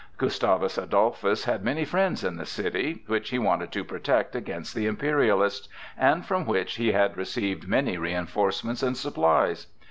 Gustavus Adolphus had many friends in the city, which he wanted to protect against the Imperialists and from which he had received many reinforcements and supplies.